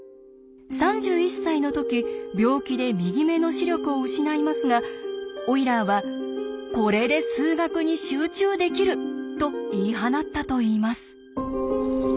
３１歳の時病気で右目の視力を失いますがオイラーは「これで数学に集中できる」と言い放ったといいます。